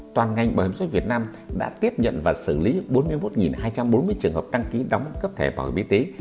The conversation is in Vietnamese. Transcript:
toàn ngành bảo hiểm xuất việt nam đã tiếp nhận và xử lý bốn mươi một hai trăm bốn mươi trường hợp đăng ký đóng cấp thẻ bảo hiểm y tế